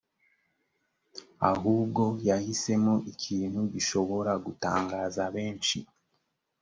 ahubwo yahisemo ikintu gishobora gutangaza benshi